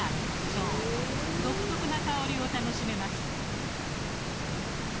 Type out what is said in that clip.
独特な香りを楽しめます。